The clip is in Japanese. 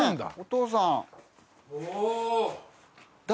お父さん。